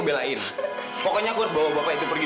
bi kan aku udah bilang bi bi tenang aja